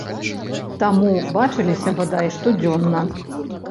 Таму бачыліся, бадай, штодзённа.